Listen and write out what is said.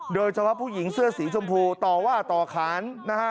โดยเฉพาะผู้หญิงเสื้อสีชมพูต่อว่าต่อขานนะฮะ